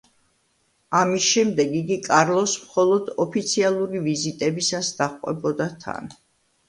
ამის შემდეგ, იგი კარლოს მხოლოდ ოფიციალური ვიზიტებისას დაჰყვებოდა თან.